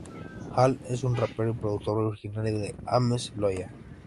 Hall, es un rapero y productor originario de Ames, Iowa.